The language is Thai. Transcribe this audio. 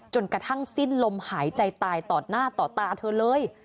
กระทั่งสิ้นลมหายใจตายต่อหน้าต่อตาเธอเลย